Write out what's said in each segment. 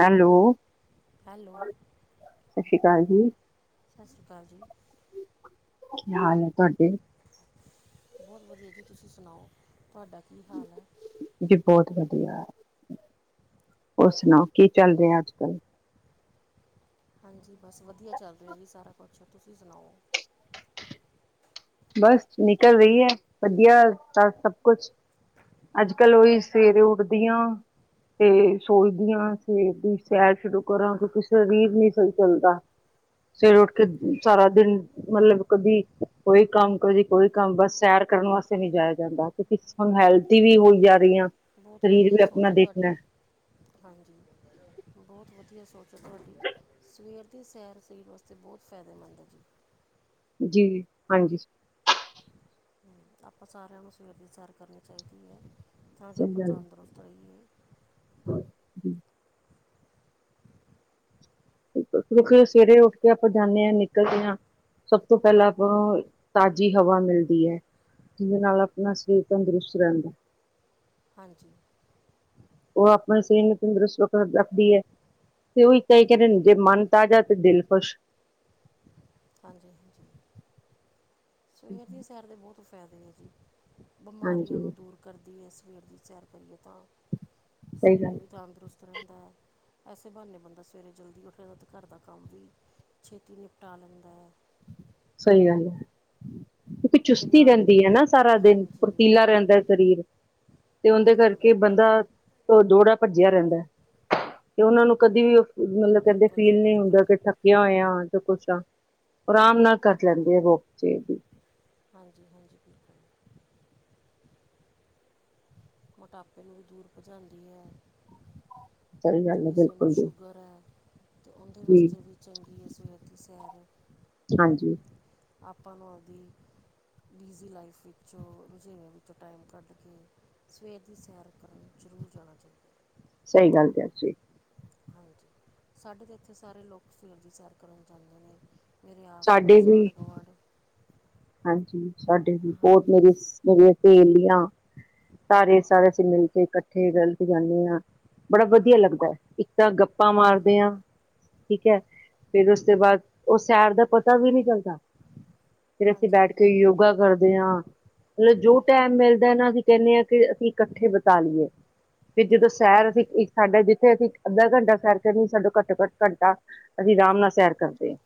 Hello. Hello ਸਤਿ ਸ਼੍ਰੀ ਅਕਾਲ ਜੀ ਸਤਿ ਸ਼੍ਰੀ ਅਕਾਲ ਜੀ ਕੀ ਹਾਲ ਹੈ ਤੁਹਾਡੇ ਬਹੁਤ ਵਧੀਆ ਜੀ ਤੁਸੀਂ ਸੁਣਾਓ। ਤੁਹਾਡਾ ਕੀ ਹਾਲ ਏ? ਜੀ ਬਹੁਤ ਵਧੀਆ, ਹੋਰ ਸੁਣਾਓ ਕੀ ਚੱਲ ਰਿਹਾ ਅੱਜ ਕੱਲ ਹਾਂਜੀ। ਬੱਸ ਵਧੀਆ ਚੱਲ ਰਿਹਾ ਜੀ ਸਾਰਾ ਕੁਛ ਤੁਸੀਂ ਸੁਣਾਓ ਬੱਸ ਨਿਕਲ ਰਹੀ ਹੈ। ਵਧੀਆ ਸਭ ਕੁਛ ਅੱਜ ਕੱਲ ਉਹੀ ਸਵੇਰੇ ਉੱਠਦੀ ਆਂ ਤੇ ਸੋਚਦੀ ਹਾਂ ਸਵੇਰ ਦੀ ਸੈਰ ਸ਼ੁਰੂ ਕਰਾਂ। ਕਿਉਂਕਿ ਸਰੀਰ ਨੀ ਸਹੀ ਚੱਲਦਾ। ਸਵੇਰੇ ਉੱਠ ਕੇ ਸਾਰਾ ਦਿਨ ਮਤਲਬ ਕਦੀ ਕੋਈ ਕੰਮ ਕਦੀ ਕੋਈ ਕੰਮ ਬਸ ਸੈਰ ਕਰਨ ਵਾਸਤੇ ਨਹੀ ਜਾਇਆ ਜਾਂਦਾ। ਕਿਉਂਕਿ ਹੁਣ ਹੈਲਦੀ ਵੀ ਹੋਈ ਜਾ ਰਹੀ ਆ। ਬਹੁਤ ਸਰੀਰ ਵਧੀਆ ਵੀ ਆਪਣਾ ਸੋਚ ਹੈ ਤੁਹਾਡੀ ਦੇਖਣਾ ਹਾਂਜੀ। ਬਹੁਤ ਵਧੀਆ ਸੋਚ ਏ ਤੁਹਾਡੀ ਸਵੇਰ ਦੀ ਸੈਰ ਸਰੀਰ ਵਾਸਤੇ ਤੇ ਬੋਤ ਫਾਏਦੇਮੰਦ ਏ ਜੀ। ਜੀ, ਹਾਂਜੀ। ਆਪਾਂ ਸਾਰੇਆਂ ਨੂੰ ਸਵੇਰ ਦੀ ਸੈਰ ਕਰਨੀ ਚਾਈਦੀ ਐ। ਤਾਂ ਜੋ ਸਹੀ ਆਪਾਂ ਗੱਲ ਹੈ। ਤੰਦਰੁਸਤ ਰਈਏ। [inaudible] ਵੇਖੋ ਸਵੇਰੇ ਉੱਠ ਕੇ ਆਪਾਂ ਜਾਂਨੇ ਆਂ, ਨਿਕਲਦੇ ਆਂ ਸਬ ਤੋਂ ਪ੍ਹੈਲਾਂ ਅਪਾਂ ਨੂੰ ਤਾਜੀ ਹਵਾ ਮਿਲਦੀ ਐ। ਜਿਦੇ ਨਾਲ ਅਪਨਾ ਸ਼ਰੀਰ ਤੰਦਰੁਸਤ ਰੈਂਦੈ। ਹਾਂਜੀ। ਓ ਆਪਨੇ ਸਰੀਰ ਨੂੰ ਤੰਦਰੁਸਤ [unintelligible] ਰੱਖਦੀ ਐ, ਤੇ ਓਈ ਤੇ ਇੱਕ ਕੈਂਦੇਨ ਜੇ ਮਨ ਤਾਜਾ ਤੇ ਦਿਲ ਖੁਸ਼। ਹਾਂਜੀ-ਹਾਂਜੀ, ਸਵੇਰ ਦੀ ਸੈਰ ਦੇ ਬੋਤ ਫੈਦੇ ਨੇ ਜੀ। ਬਿਮਾਰੀਆਂ ਹਾਂਜੀ ਨੂੰ ਦੂਰ ਕਰਦੀ ਏ, ਸਵੇਰ ਦੀ ਸੈਰ ਕਰੀਏ ਤਾਂ, ਸਹੀ ਸਰੀਰ ਗੱਲ ਵੀ ਤੰਦਰੁਸਤ ਰੈਂਦੈ, ਐਸੇ ਬ੍ਹਾਨੇ ਬੰਦਾ ਸਵੇਰੇ ਜਲਦੀ ਉੱਠਦੈ, ਤੇ ਘਾਰ ਦਾ ਕਾੰਮ ਵੀ ਛੇਤੀ ਨਿਪਟਾ ਲੈਂਦੈ। ਸਈ ਗਾੱਲ ਏ। ਕਿਉਂਕਿ ਜੇ ਚੁਸਤੀ ਨਾਲ ਰੈਂਦੀ ਐ ਨਾ ਸਾਰਾ ਦਿਨ, ਹਾਂਜੀ ਫੁਰਤੀਲਾ ਹਾਂਜੀ ਰੈਂਦੈ ਸ਼ਰੀਰ। ਤੇ ਉਂਦੇ ਬਿਲਕੁਲ ਕਾਰਕੇ ਬੰਦਾ ਓ ਦੋੜਾ ਭਜੇਆ ਰੈਂਦੈ, ਤੇ ਓਨਾਂ ਨੂੰ ਕਦੀ ਵੀ ਓ ਮਲਬ ਕੈਂਦੇ ਬਿਲਕੁਲ ਜੀ ਫੀਲ ਨੀ ਬਿਲਕੁਲ ਹੁੰਦਾ ਕਿ ਠੱਕ ਕੇਆਂ ਹੋਏਆਂ ਜਾ ਕੁੱਛ ਆ, ਅਰਾਮ ਨਾਲ ਕਾੱਟ ਲੈਂਦੇ ਆ ਰੋਕ ਚੇ ਵੀ। ਹਾਂਜੀ-ਹਾਂਜੀ ਬਿਲਕੁਲ। ਮੋਟਾਪੇ ਨੂੰ ਵੀ ਦੂਰ ਭਜਾਂਦੀ ਐ ਗੱਲ ਹੈ ਜੇ ਕਿਸੇ ਨੂੰ ਬਿਲਕੁਲ ਜੀ ਸ਼ੂਗਰ ਐ ਤੇ ਓਦੇ ਜੀ, ਵਸਤੇ ਵੀ ਚੰਗੀ ਏ ਸਵੇਰ ਦੀ ਸੈਰ। ਹਾਂਜੀ। ਆਪਾਂ ਨੂੰ ਆਪਦੀ ਬੀਜ਼ੀ ਲਾਈਫ ਵਿੱਚੋਂ ਰੁਝੇਵੇ ਵਿੱਚੋਂ ਟਾਈਮ ਕਾੱਡ ਕੇ ਸਵੇਰ ਦੀ ਸੈਰ ਕਰਨ ਜਰੂਰ ਜਾਣਾ ਚਾਈਦੈ। ਸਈ ਗਾੱਲ ਕੇਆ ਜੀ। ਹਾਂਜੀ, ਸਾਡੇ ਤਾਂ ਇੱਥੇ ਸਾਰੇ ਲੋਕ ਸਵੇਰ ਦੀ ਸੈਰ ਕਰਨ ਜਾਂਦੇ ਨੇ। ਮੇਰੇ ਸਾਡੇ ਆਸ-ਪਾਸ, ਵੀ ਆਂਡ-ਗੁਆਂਡ। ਹਾਂਜੀ, ਸਾਡੇ ਵੀ ਹਾਂਜੀ ਬੋਤ ਮੇਰੀ, ਮੇਰੀਆਂ ਸਹੇਲੀਆਂ। ਸਾਰੇ-ਸਾਰੇ ਅਸੀ ਮਿਲ ਕੇ ਇਕੱਠੇ ਰਲ ਕੇ ਜਾਨੇ ਆਂ। ਬੜਾ ਵਦੀਆ ਲੱਗਦੈ, ਇੱਕ ਤਾਂ ਗੱਪਾਂ ਮਾਰਦੇ ਆਂ ਠੀਕ ਐ, ਫੇਰ ਉਸ ਤੇ ਬਾਦ, ਓ ਸੈਰ ਦਾ ਪਤਾ ਵੀ ਨੀ ਚੱਲਦਾ। ਫਿਰ ਅਸੀ ਹਾਂਜੀ ਬੈਠ ਕੇ ਹਾਂਜੀ ਯੋਗਾ ਕਰਦੇ ਆਂ। ਮਤਲਬ ਜੋ ਟੈਮ ਮਿਲਦੈ ਨਾ, ਅਸੀ ਕੈਨੇ ਆਂ ਕਿ ਅਸੀ ਕੱਠੇ ਬਿਤਾ ਲਈਏ। ਵੀ ਜਦੋ ਬਿਲਕੁਲ ਜੀ ਸੈਰ ਅਸੀ ਇੱਕ ਸਾਡਾ ਜਿੱਥੇ ਅਸੀ ਅੱਧਾ ਘੰਟਾ ਸੈਰ ਕਰਨੀ, ਸਾਡਾ ਘੱਟ-ਘੱਟ ਘੰਟਾ ਅਸੀ ਅਰਾਮ ਨਾਲ ਸੈਰ ਕਰਦੇ ਆਂ।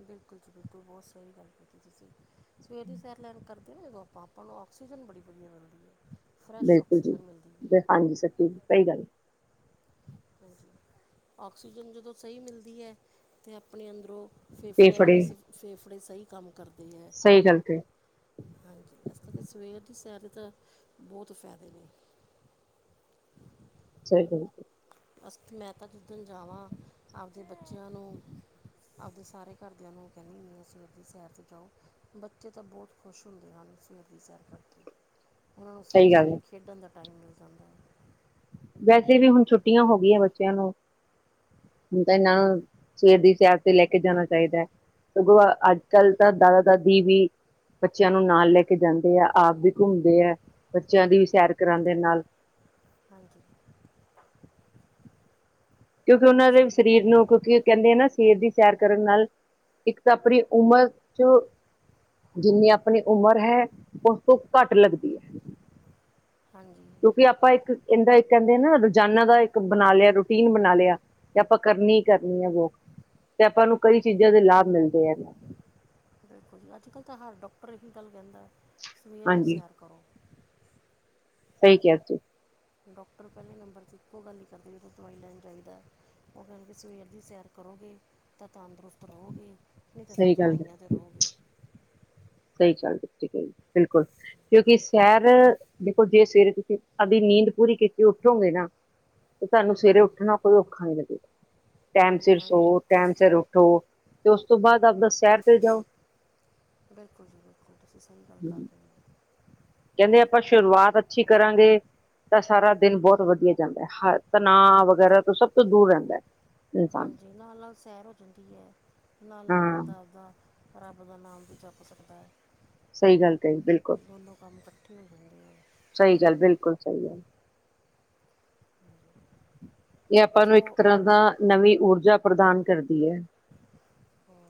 ਬਿਲਕੁਲ ਜੀ ਬਿਲਕੁਲ, ਬੋਤ ਸਈ ਗਾੱਲ ਕੀਤੀ ਤੂਸੀ, ਸਵੇਰ ਦੀ ਸੈਰ ਲੈਨ ਕਾਰ [unintelligible] ਆਪਾਂ ਨੂੰ ਆਕਸੀਜਨ ਬੜੀ ਵਦੀਆ ਮਿਲਦੀ ਏ। ਬਿਲਕੁਲ ਜੀ, ਹਾਂਜੀ ਸੱਚੀ ਜੀ, ਸਈ ਗਾੱਲ ਏ। ਹਾਂਜੀ, ਆਕਸੀਜਨ ਜਦੋਂ ਸਈ ਮਿਲਦੀ ਐ, ਤੇ ਅਪਨੇ ਅੰਦਰੋਂ ਤੇ ਫੇਫੜੇਆਂ ਦੇ ਵੀ ਫੜੇ ਸਿਵ, ਫੇਫੜੇ ਸਈ ਕਾੰਮ ਕਰਦੇ ਐ। ਸਹੀ ਗੱਲ ਤੇ ਹਾਂਜੀ, ਇਸ ਕਾਰਕੇ ਸਵੇਰ ਦੀ ਸੈਰ ਤਾ ਬੋਤ ਫੈਦੇ ਨੇ। [inaudible] ਅਸ ਮੈਂ ਤਾਂ, ਜਿੱਦਣ ਜਾਵਾਂ ਆਪਦੇ ਬੱਚਿਆਂ ਨੂੰ ਆਪਦੇ ਸਾਰੇ, ਘਰਦਿਆਂ ਨੂੰ ਉਹ ਕਹਿੰਦੀ ਵੀ, ਸਵੇਰ ਦੀ ਸੈਰ ਤੇ ਜਾਓ, ਬੱਚੇ ਤਾਂ ਬਹੁਤ ਖੁਸ਼ ਹੁੰਦੇ ਹਨ, ਸਵੇਰ ਦੀ ਸੈਰ ਕਰਕੇ [inaudible] ਉਹਨਾਂ ਨੂੰ, ਸਵੇਰੇ ਸਹੀ ਗੱਲ ਐ। -ਸਵੇਰੇ ਖੇਡਣ ਦਾ ਟਾਈਮ, ਮਿਲ ਜਾਂਦਾ ਆ ਵੈਸੇ ਵੀ, ਹੁਣ ਛੁੱਟੀਆਂ ਹੋ ਗਈਆਂ ਬੱਚਿਆਂ ਨੂੰ ਹੁਣ ਤਾਂ ਨਾ, ਸਵੇਰ ਦੀ ਸੈਰ ਤੇ ਲੈ ਕੇ ਜਾਣਾ ਚਾਹੀਦਾ ਆ ਸਗੋਂ, ਅੱਜ- ਕੱਲ ਤਾਂ ਦਾਦਾ ਦਾਦੀ ਵੀ ਬੱਚਿਆਂ ਨੂੰ ਨਾਲ ਲੈ ਕੇ ਜਾਂਦੇ ਆ, ਆਪ ਵੀ ਘੁੰਮਦੇ ਆ, ਬੱਚਿਆਂ ਦੀ ਵੀ ਸੈਰ ਕਰਾਂਦੇ ਨਾਲ ਹਾਂਜੀ। ਕਿਉਂਕਿ, ਉਹਨਾਂ ਬਹੁਤ ਦੇ ਸਹੀ ਗੱਲ ਹੈ ਸਰੀਰ ਨੂੰ ਕਿਉਂਕਿ, ਕਹਿੰਦੇ ਆ ਨ, ਸਵੇਰ ਦੀ ਸੈਰ ਕਰਨ ਨਾਲ ਇੱਕ ਤਾਂ, ਆਪਣੀ ਉਮਰ ਚ ਜਿੰਨੀ ਆਪਣੀ ਉਮਰ ਹੈ, ਉਸ ਤੋਂ ਘੱਟ ਲੱਗਦੀ ਐ। ਹਾਂਜੀ। ਕਿਉਂਕਿ, ਆਪਾਂ ਇੱਕ ਇਹਦਾ ਇੱਕ ਕਹਿੰਦੇ ਆ ਨਾ, ਰੋਜ਼ਾਨਾ ਦਾ ਇੱਕ ਬਣਾ ਲਿਆ, ਰੂਟੀਨ ਬਣਾ ਲਿਆ ਤੇ ਆਪਾਂ, ਕਰਨੀ ਹੀ ਕਰਨੀ ਹੈ ਵੋਕ, ਤੇ ਆਪਾਂ ਨੂੰ ਕਈ ਚੀਜ਼ਾਂ ਦੇ ਲਾਭ ਮਿਲਦੇ ਆ ਬਿਲਕੁਲ ਜੀ, ਅੱਜ -ਕੱਲ੍ਹ ਤਾਂ ਹਰ ਡਾਕਟਰ ਹੀ ਗੱਲ ਕਹਿੰਦਾ, ਸਵੇਰ ਦੀ ਹਾਂਜੀ ਸੈਰ ਕਰੋ ਸਹੀ ਕਿਹਾ ਤੂੰ। ਡਾਕਟਰ ਪਹਿਲੇ ਨੰਬਰ 'ਤੇ, ਇੱਕੋ ਗੱਲ ਹੀ ਕਰਦੇ ਜਦੋਂ ਦਵਾਈ ਲੈਣ ਜਾਂਦਾ, ਉਹ ਕਹਿਣਗੇ ਸਵੇਰ ਦੀ ਸੈਰ ਕਰੋਗੇ ਤਾਂ, ਤੰਦਰੁਸਤ ਰਹੋਗੇ, ਨਹੀਂ ਤਾਂ ਫਿਰ ਸਹੀ ਗੱਲ ਹੈ ਦਵਾਈਆਂ ' ਰਹੋਗੇ ਸਹੀ ਚਲ ਰਹੀ ਬੂਟੀਕ ਬਿਲਕੁਲ, ਕਿਉਂਕਿ, ਸੈਰ ਦੇਖੋ ਜੇ ਸਵੇਰੇ ਤੁਸੀਂ ਆਪਦੀ ਨੀਂਦ ਪੂਰੀ ਕੀਤੀ ਉੱਠੋਗੇ ਨਾ ਤੇ ਤੁਹਾਨੂੰ ਸਵੇਰੇ ਉੱਠਣਾ, ਕੋਈਔਖਾ ਨੀ ਲੱਗਾ ਟਾਈਮ ਸਿਰ ਹਾਂਜੀ ਹਾਂਜੀ ਸੋਓ, ਬਿਲਕੁਲ ਟੈਮ ਸਿਰ ਉੱਠੋ, ਤੇ ਉਸ ਤੋਂ ਬਾਅਦ ਆਪਦਾ ਸ਼ਹਿਰ ਕਰਨ ਜਾਓ ਬਿਲਕੁਲ ਜੀ ਬਿਲਕੁਲ, ਤੁਸੀਂ ਸਹੀ ਗੱਲ ਕਰਦੇ ਹੋ ਕਹਿੰਦੇ, ਆਪਾਂ ਸ਼ੁਰੂਆਤ ਅੱਛੀ ਕਰਾਂਗੇ ਤਾਂ ਸਾਰਾ ਦਿਨ, ਬਹੁਤ ਵਧੀਆ ਜਾਂਦਾ ਹੈ, ਹਰ ਤਣਾਅ ਵਗੈਰਾ ਤੋਂ ਸਭ ਤੋਂ ਦੂਰ ਰਹਿੰਦਾ ਹੈ ਇਨਸਾਨ ਹਾਂਜੀ, ਨਾਲ -ਨਾਲ ਸੈਰ ਹੋ ਜਾਂਦੀ ਹੈ, ਨਾਲ- ਨਾਲ ਹਾਂ ਬੰਦਾ ਆਪਦਾ ਰੱਬ ਦਾ ਨਾਮ ਵੀ, ਜਪ ਸਕਦਾ ਐ ਸਹੀ ਗੱਲ ਕਹੀ, ਬਿਲਕੁਲ ਦੋਨੋ ਕੰਮ, ਇਕੱਠੇ ਹੋ ਜਾਂਦੇ ਆ ਸਹੀ ਗੱਲ, ਬਿਲਕੁਲ ਸਹੀ ਆ ਇਹ ਆਪਾਂ ਨੂੰ, ਸਪੋ ਇੱਕ ਤਰ੍ਹਾਂ ਦਾ ਨਵੀਂ ਊਰਜਾ, ਪ੍ਰਦਾਨ ਕਰਦੀ ਐ ਹੋਰ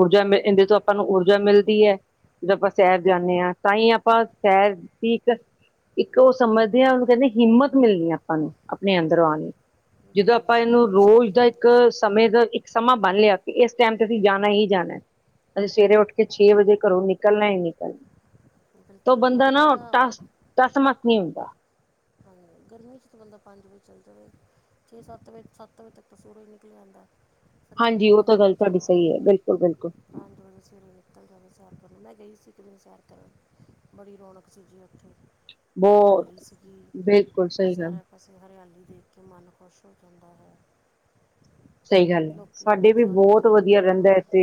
ਊਰਜਾ, ਮ ਇਹਦੇ ਤੋਂ ਆਪਾਂ ਨੂੰ ਊਰਜਾ ਮਿਲਦੀ ਐ ਜਦੋਂ ਆਪਾਂ ਸੈਰ ਜਾਂਦੇ ਹਾਂ, ਤਾਂਹੀ ਆਪਾਂ ਸੈਰ ਠੀਕ ਇੱਕ ਉਹ ਸਮਝਦੇ ਆ, ਉਹਨੂੰ ਕਹਿੰਦੇ ਹਿੰਮਤ ਮਿਲਣੀ ਆਪਾਂ ਨੂੰ, ਆਪਣੇ ਅੰਦਰ ਆਣ ਜਦੋਂ ਬਿਲਕੁਲ ਆਪਾਂ ਜੀ ਇਹਨੂੰ, ਬਿਲਕੁਲ ਸਹੀ ਰੋਜ਼ ਦਾ ਕਹਿ ਰਹੇ ਹੋ ਇੱਕ ਤੁਸੀਂ ਸਮੇਂ ਦਾ ਇੱਕ ਸਮਾਂ ਬਣ ਲਿਆ ਕਿ, ਇਸ ਟਾਈਮ ਤੇ ਅਸੀਂ ਜਾਣਾ ਹੀ ਜਾਣਾ ਅਜ ਸਵੇਰੇ ਉੱਠ ਕੇ, ਛੇ ਵਜੇ ਘਰੋਂ ਨਿਕਲਣਾ ਹੀ ਨਿਕਲਣਾ ਤੇ ਬਿਲਕੁਲ ਜੀ ਬੰਦਾ ਅੱਜ ਨਾ ਕੱਲ੍ਹ ਤਾਂ ਟਸ, ਟਸ -ਮਸ ਨਹੀਂ ਹੁੰਦਾ ਹਾਂਜੀ, ਗਰਮੀ ਚ ਤਾਂ ਬੰਦਾ, ਪੰਜ ਵਜੇ ਚੱਲ ਜਾਵੇ ਛੇ -ਸੱਤ ਵਜੇ, ਸੱਤ ਵਜੇ ਤੱਕ ਤਾਂ ਸੂਰਜ, ਨਿਕਲਆ ਹੁੰਦਾ ਫਿਰ ਹਾਂਜੀ ਗਰਮੀ ਉਹ ਹੋ ਤਾਂ ਗੱਲ ਜਾਂਦੀ, ਤੁਹਾਡੀ ਜ਼ਿਆਦਾ ਸਹੀ ਹੈ ਬਿਲਕੁਲ ਬਿਲਕੁਲ ਪੰਜ ਵਜੇ ਸਵੇਰੇ ਤੇ ਸੈਰ ਮੈਂ ਗਈ ਸੀ, ਇੱਕ ਦਿਨ ਸੈਰ ਕਰਨ, ਬੜੀ ਰੌਣਕ ਸੀ ਜੀ ਉੱਥੇ ਬਹੁਤ ਹਰਿਆਲੀ ਸੀਗੀ ਬਿਲਕੁਲ ਸਹੀ ਗੱਲ ਸਾਰਾ ਪਾਸੇ ਹਰਿਆਲੀ ਦੇਖ ਕੇ ਮਨ ਖੁਸ਼ ਹੋ ਜਾਂਦਾ ਵਾ। ਸਹੀ ਗੱਲ ਏ, ਸਾਡੇ ਵੀ ਸਾਰੀ ਬੌਤ ਵਧੀਆ ਦੁਨੀਆ ਰਹਿੰਦਾ ਇੱਥੇ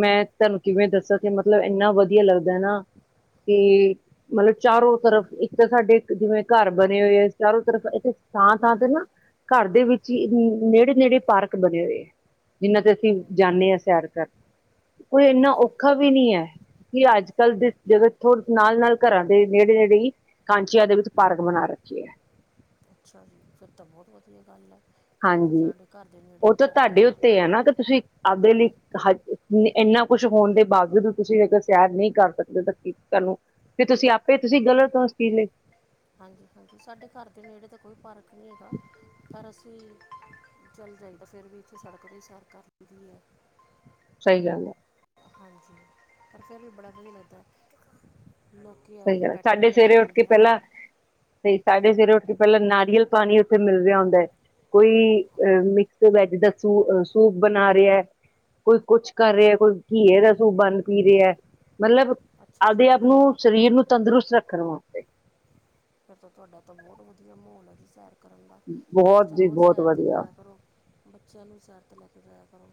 ਮੈਂ ਤੁਹਾਨੂੰ ਕਿਵੇਂ ਦੱਸਾਂ ਕਿ ਮਤਲਬ ਇੰਨਾ ਵਧੀਆ ਲੱਗਦਾ ਨਾ ਕੀ ਮਤਲਬ ਚਾਰੋ ਤਰਫ ਇੱਕ ਤਾਂ ਸਾਡੇ ਜਿਵੇਂ ਘਰ ਬਣੇ ਹੋਏ ਆ ਚਾਰੋ ਤਰਫ ਇੱਥੇ ਥਾਂ ਥਾਂ ਤੇ ਨਾ ਘਰ ਦੇ ਵਿੱਚ ਹੀ ਨੇੜੇ ਨੇੜੇ ਪਾਰਕ ਬਣੇ ਹੋਏ ਆ, ਜਿਹਨਾਂ ਤੇ ਅਸੀਂ ਜਾਂਨੇ ਆ ਸੈਰ ਕਰਨ। ਕੋਈ ਇੰਨਾ ਤਾਂ ਫਿਰ ਔਖਾ ਵੀ ਨੀ ਏ। ਕਿ ਅੱਜ ਕੱਲ੍ਹ ਦੇ ਜਗਤਪੁਰ ਨਾਲ ਨਾਲ ਘਰਾਂ ਦੇ ਨੇੜੇ ਨੇੜੇ ਈ। ਕਾਂਚੀਆਂ ਦੇ ਵਿੱਚ ਪਾਰਕ ਬਣਾ ਰੱਖੀਏ। ਅੱਛਾ ਜੀ, ਫਿਰ ਤਾਂ ਬਹੁਤ ਵਧੀਆ ਗੱਲ ਐ। ਹਾਂਜੀ, ਉਹ ਤਾਂ ਤੁਹਾਡੇ ਉੱਤੇ ਐ ਨਾ, ਕਿ ਤੁਸੀਂ ਆਪਦੇ ਲਈ ਹਾਂਜੀ, ਇੰਨਾ ਕੁਛ ਹੋਣ ਦੇ ਬਾਵਜੂਦ ਤੁਸੀਂ ਜੇਕਰ ਸੈਰ ਨਹੀਂ ਕਰ ਸਕਦੇ ਤਾਂ ਕੀ ਕਰੁ ਫੇਰ ਤੁਸੀਂ ਆਪੇ ਤੁਸੀਂ ਗਲਤ ਓ ਉਸ ਚੀਜ਼ ਲਈ। ਹਾਂਜੀ ਹਾਂਜੀ, ਸਾਡੇ ਘਰ ਦੇ ਨੇੜੇ ਤਾਂ ਕੋਈ ਪਾਰਕ ਨਹੀਂ ਹੈਗਾ ਪਰ ਅਸੀਂ ਚੱਲ ਜਾਈਦਾ ਫੇਰ ਵੀ ਇੱਥੇ ਸੜਕ ਤੇ ਸੈਰ ਕਰ ਲਈ ਦੀ ਐ। ਸਹੀ ਗੱਲ ਐ। ਹਾਂਜੀ, ਪਰ ਫਿਰ ਵੀ ਬੜਾ ਦਿਲ ਲਗਦਾ ਸਹੀ ਗੱਲ, ਸਾਡੇ ਸਵੇਰੇ ਉੱਠ ਕੇ ਹਨ ਪਹਿਲਾਂ ਸਹੀ ਸਾਡੇ ਸਵੇਰੇ ਉੱਠ ਕੇ ਪਹਿਲਾਂ ਨਾਰੀਅਲ ਪਾਣੀ ਇਥੇ ਮਿਲ ਰਿਹਾ ਹੁੰਦਾ। ਕੋਈ ਅ ਮਿਕਸ ਵੈਜ ਦਾ ਸੂ ਸੂਪ ਬਣਾ ਰਿਆ। ਕੋਈ ਕੁਛ ਕਰ ਰਿਆ ਕੋਈ ਘੀਏ ਦਾ ਸੂਪ ਬੰਦ ਪੀ ਰਿਆ ਮਲਬ ਅੱਛਾ ਆਪਦੇ ਜੀ ਆਪ ਨੂੰ, ਸਰੀਰ ਨੂੰ ਤੰਦਰੁਸਤ ਰੱਖਣ ਵਾਸਤੇ ਫਿਰ ਤਾਂ ਤੁਹਾਡਾ ਤਾਂ ਬਹੁਤ ਵਧੀਆ ਮਾਹੌਲ ਹੈ ਜੀ, ਸੈਰ ਕਰਨ ਦਾ ਤੁਸੀਂ ਬਹੁਤ ਤਾਂ ਜੀ ਰੋਜ਼ ਬਹੁਤ ਸੈਰ ਤੇ ਵਧੀਆ ਜਾਇਆ ਕਰੋ। ਬੱਚਿਆਂ ਨੂੰ ਸੈਰ ਤੇ ਲੈ ਕੇ ਜਾਇਆ ਕਰੋ।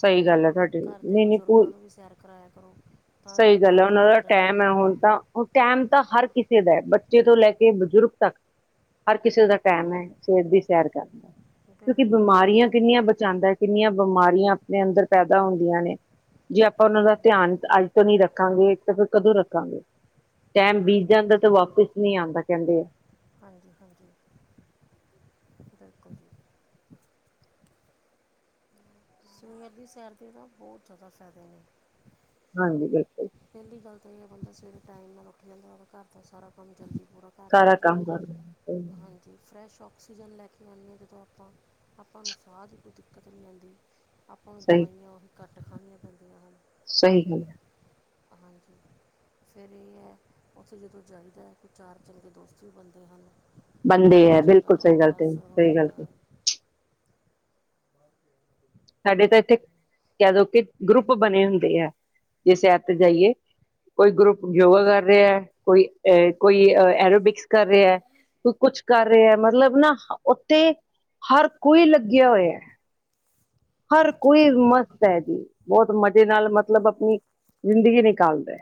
ਸਹੀ ਗੱਲ ਹੈ ਤੁਹਾਡੀ ਘਰ ਦੇ ਨਹੀਂ ਨਹੀਂ ਪੂ ਬਜ਼ੁਰਗਾਂ ਨੂੰ ਵੀ ਸੈਰ ਕਰਵਾਇਆ ਕਰੋ, ਤਾਂ ਜੋ ਤੰਦਰੁਸਤ ਰਹਿਣ ਟੈਮ ਹੈ ਹੁਣ ਤਾਂ ਹੁਣ ਟਾਈਮ ਤਾਂ ਹਰ ਕਿਸੇ ਦਾ, ਬੱਚੇ ਤੋਂ ਲੈ ਕੇ ਬਜ਼ੁਰਗ ਤੱਕ ਹਰ ਕਿਸੇ ਦਾ ਟਾਈਮ ਏ ਸਵੇਰ ਦੀ ਸੈਰ ਕਰਨ ਦਾ ਕਿਉਂਕਿ ਬਿਲਕੁਲ ਜੀ ਬਿਮਾਰੀਆਂ ਬਿਲਕੁਲ ਕਿੰਨੀਆਂ ਬਚਾਂਦਾ ਐ ਕਿੰਨੀਆਂ ਬਿਮਾਰੀਆਂ ਸਾਡੇ ਅੰਦਰ ਪੈਦਾ ਹੁੰਦੀਆਂ ਨੇ ਜੇ ਆਪਾਂ ਉਹਨਾਂ ਦਾ ਧਿਆਨ ਅੱਜ ਤੋਂ ਨਹੀਂ ਰੱਖਾਂਗੇ ਤਾਂ ਫਿਰ ਕਦੋਂ ਰੱਖਾਂਗੇ ਟਾਈਮ ਬੀਤ ਜਾਂਦਾ ਤੇ ਵਾਪਿਸ ਨਹੀਂ ਆਂਦਾ ਕਹਿੰਦੇ ਆ ਹਾਂਜੀ, ਹਾਂਜੀ ਬਿਲਕੁਲ ਜੀ ਸਵੇਰ ਦੀ ਸੈਰ ਦੇ ਤਾਂ ਬਹੁਤ ਜ਼ਿਆਦਾ ਫਾਇਦੇ ਨੇ ਹਾਂਜੀ ਬਿਲਕੁਲ ਪਹਿਲੀ ਗੱਲ ਤਾਂ ਇਹ ਆ ਬੰਦਾ ਸਵੇਰੇ ਟਾਈਮ ਨਾਲ ਉੱਠ ਜਾਂਦਾ ਘਰ ਦਾ ਸਾਰਾ ਕੰਮ ਜਲਦੀ ਪੂਰਾ ਕਰ ਸਾਰਾ ਲੈਂਦਾ ਕੰਮ ਕਰ ਹਾਂਜੀ ਫਰੈਸ਼ ਆਕਸੀਜਨ ਲੈ ਕੇ ਆਨੇ ਆ ਜਦੋਂ ਆਪਾਂ ਆਪਾਂ ਨੂੰ ਸਾਹ ਦੀ ਕੋਈ ਦਿੱਕਤ ਨੀ ਆਂਦੀ ਆਪਾਂ ਨੂੰ ਸਹੀ, ਦਵਾਈਆਂ ਘੱਟ ਖਾਣੀਆਂ ਪੈਂਦੀਆਂ ਹਨ ਸਹੀ ਬੋਲਿਆ ਹਾਂਜੀ ਫਿਰ ਇਹ ਆ ਉੱਥੇ ਜਦੋਂ ਜਾਈਦਾ ਕੋਈ ਚਾਰ ਚੰਗੇ ਦੋਸਤ ਵੀ ਬਣਦੇ ਹਨ ਉਹਨਾਂ ਬਨਦੇ ਨਾਲ ਵੀ ਆ ਚੰਗਾ ਬਿਲਕੁਲ ਸਹੀ ਟਾਈਮ ਗਲ ਪਾਸ ਕਈ ਹੋ ਸਹੀ ਗਲ ਜਾਂਦਾ ਕਈ ਹੈ ਸਾਡੇ ਤਾਂ ਇੱਥੇ ਕਹਿ ਦਓ ਕਿ ਗਰੁੱਪ ਬਣੇ ਹੁੰਦੇ ਆ ਜੇ ਸੈਰ ਤੇ ਜਾਈਏ ਕੋਈ ਗਰੁੱਪ ਯੋਗਾ ਅੱਛਾ ਕਰ ਰਿਹਾ ਕੋਈ ਅ ਕੋਈ ਐਰੋਬਿਕ ਕਰ ਰੇਆ, ਕੁਛ ਕਰ ਰੇਆ ਮਤਲਬ ਨਾ ਓਥੇ ਹਰ ਕੋਈ ਲੱਗਿਆ ਹੋਇਆ। ਹਰ ਅੱਛਾ ਕੋਈ ਜੀ ਮਸਤ ਐ ਜੀ, ਬਹੁਤ ਮਜ਼ੇ ਨਾਲ ਮਤਲਬ ਆਪਣੀ ਜ਼ਿੰਦਗੀ ਨਿਕਾਲ ਦੈ।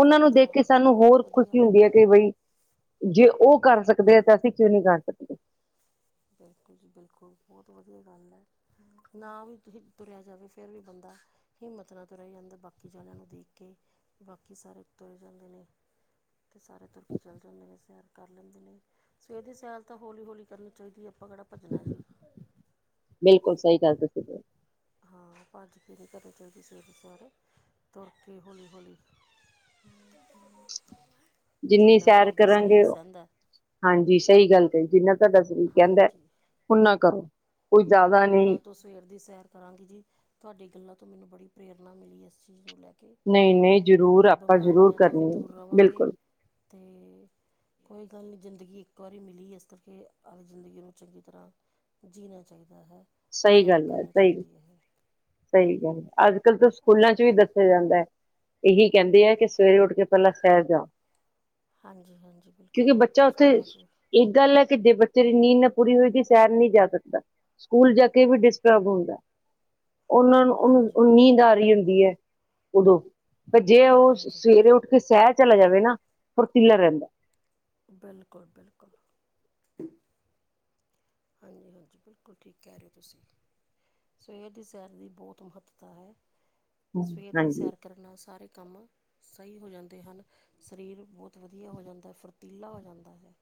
ਓਨਾਂ ਫਿਰ ਨੂੰ ਦੇਖ ਤਾਂ ਕੇ ਸਾਨੂੰ ਬਹੁਤ ਹੋਰ ਖੁਸ਼ੀ ਵਧੀਆ ਹੁੰਦੀ ਆ। ਕਿ ਬਈ ਜੇ ਓ ਕਰ ਸਕਦੇ ਆ ਤਾਂ ਅਸੀਂ ਕਿਉਂ ਨੀ ਕਰ ਸਕਦੇ। ਬਿਲਕੁਲ ਜੀ ਬਿਲਕੁਲ ਬਹੁਤ ਵਧੀਆ ਗੱਲ ਐ। ਨਾ ਵੀ ਤੁਰਿਆ ਜਾਵੇ ਫੇਰ ਵੀ ਬੰਦਾ ਹਿੰਮਤ ਨਾਲ ਤੁਰਿਆ ਜਾਂਦਾ ਬਾਕੀ ਜਣਿਆਂ ਨੂੰ ਦੇਖ ਕੇ, ਬਾਕੀ ਸਾਰੇ ਤੁਰੇ ਜਾਂਦੇ ਨੇ। ਸਾਰੇ ਤੁਰ ਕੇ ਚੱਲ ਜਾਂਦੇ ਨੇ ਸੈਰ ਕਰ ਲੈਂਦੇ ਨੇ ਸਵੇਰ ਦੀ ਸੈਰ ਤਾਂ ਹੌਲੀ-ਹੌਲੀ ਕਰਨੀ ਚਾਈਦੀ ਆਪਾਂ ਕਿਹੜਾ ਭੱਜਣਾ ਜੀ। ਬਿਲਕੁਲ ਸਹੀ ਕਿਆ ਤੁਸੀਂ ਨੇ। ਹਾਂ ਭੱਜ ਕੇ ਨੀ ਕਰਨੀ ਚਾਈਦੀ ਸਵੇਰ ਦੀ ਸੈਰ, ਤੁਰ ਕੇ ਹੌਲੀ-ਹੌਲੀ। ਹੂੰ, ਹੂੰ। ਜਿੰਨੀ ਸੈਰ ਕਰਾਂਗੇ ਸਰੀਰ ਓ ਸਹਿੰਦਾ ਹਾਂਜੀ ਸਹੀ ਗੱਲ ਕਹੀ ਜਿੰਨਾ ਤੁਹਾਡਾ ਸਰੀਰ ਕਹਿੰਦਾ, ਹਾਂਜੀ ਓਨਾ ਕਰੋ। ਕੋਈ ਜ਼ਿਆਦਾ ਮੈਂ ਵੀ ਨਹੀਂ ਕੱਲ ਤੋਂ ਸਵੇਰ ਦੀ ਸੈਰ ਕਰਾਂਗੀ ਜੀ, ਤੁਹਾਡੀ ਗੱਲਾਂ ਤੋਂ ਮੈਨੂੰ ਬੜੀ ਪ੍ਰੇਰਨਾ ਮਿਲੀ ਐਸ ਚੀਜ਼ ਨੂੰ ਲੈ ਕੇ, ਨਹੀਂ ਨਹੀਂ ਜ਼ਰੂਰ ਵੀ ਆਪਾਂ ਜ਼ਰੂਰ ਬਿਮਾਰੀਆਂ ਤੋਂ ਵੀ ਕਰਨੀ ਹੈ ਦੂਰ ਰਵਾਂਗੇ ਬਿਲਕੁਲ ਤੇ ਕੋਈ ਗੱਲ ਨੀ ਜ਼ਿੰਦਗੀ ਇੱਕ ਵਾਰੀ ਮਿਲੀ ਏਸ ਕਰਕੇ ਆਪਦੀ ਜ਼ਿੰਦਗੀ ਨੂੰ ਚੰਗੀ ਤਰ੍ਹਾਂ ਜੀਣਾ ਚਾਈਦਾ ਹੈ‌। ਸਹੀ ਗੱਲ ਆ ਸਹੀ ਸਹੀ ਗੱਲ, ਅੱਜ-ਕੱਲ ਤਾਂ ਸਕੂਲਾਂ ਚ ਵੀ ਦੱਸਿਆ ਜਾਂਦੈ। ਏਹੀ ਕਹਿੰਦੇ ਆ ਕਿ ਸਵੇਰੇ ਉੱਠ ਕੇ ਪਹਿਲਾਂ ਸੈਰ ਜਾਓ। ਹਾਂਜੀ-ਹਾਂਜੀ, ਬਿਲਕੁਲ-ਬਿਲਕੁਲ ਸਕੂਲਾਂ ਚ ਵੀ। ਇਕ ਗੱਲ ਆ ਕਿ ਜੇ ਬੱਚੇ ਦੀ ਨੀਂਦ ਨਾ ਪੂਰੀ ਹੋਏਗੀ ਸੈਰ ਨੀ ਜਾ ਸਕਦਾ। ਸਕੂਲ ਜਾ ਕੇ ਵੀ ਡਿਸਟਰਬ ਹੁੰਦਾ, ਓਨਾਂ ਨੂੰ ਹਾਂਜੀ ਓਨੂੰ ਨੀਂਦ ਆ ਰੀ ਹੁੰਦੀ ਐ। ਓਦੋਂ, ਪਰ ਜੇ ਓ ਹਾਂਜੀ ਸਵੇਰੇ ਹਾਂਜੀ ਉੱਠ ਕੇ ਸੈਰ ਚਲਾ ਜਾਵੇ ਨਾ ਫੁਰਤੀਲਾ ਰਹਿੰਦਾ। ਬਿਲਕੁਲ, ਬਿਲਕੁਲ। ਹਾਂਜੀ, ਹਾਂਜੀ ਬਿਲਕੁਲ ਠੀਕ ਕਹਿ ਰੇ ਓ ਤੁਸੀਂ। ਸਵੇਰ ਦੀ ਸੈਰ ਦੀ ਬਹੁਤ ਮਹੱਤਤਾ ਹੈ। ਸਵੇਰ ਦੀ ਹਾਂਜੀ ਸੈਰ ਕਰਨ ਨਾਲ ਸਾਰੇ ਕੰਮ ਸਹੀ ਹੋ ਜਾਂਦੇ ਹਨ ਸਰੀਰ ਬਹੁਤ ਵਧੀਆ ਹੋ ਜਾਂਦਾ ਫੁਰਤੀਲਾ ਹੋ ਜਾਂਦਾ ਹੈ।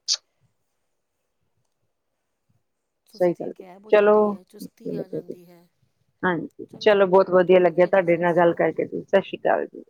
ਸਹੀ ਸੁਸਤੀ ਗੱਲ ਐ, ਗਾਇਬ ਹੋ ਜਾਂਦੀ ਚਲੋ ਹੈ ਚੁਸਤੀ ਆ [unintelligible] ਜਾਂਦੀ ਹੈ ਹਾਂਜੀ ਚਲੋ ਬਹੁਤ ਵਧੀਆ ਠੀਕ ਲੱਗਿਆ ਹੈ ਜੀ ਤੁਹਾਡੇ ਸਤਿ ਨਾਲ ਸ਼੍ਰੀ ਗੱਲ ਅਕਾਲ ਕਰਕੇ, ਜੀ ਸਤਿ ਸ੍ਰੀ ਕਾਲ ਜੀ।